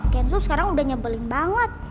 kensum sekarang udah nyebelin banget